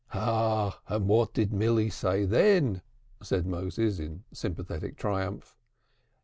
"And what did Milly say then?" said Moses in sympathetic triumph.